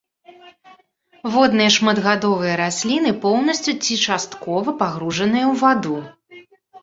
Водныя шматгадовыя расліны, поўнасцю ці часткова пагружаныя ў ваду.